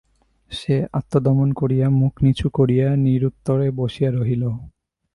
সে আত্মদমন করিয়া মুখ নিচু করিয়া নিরুত্তরে বসিয়া রহিল।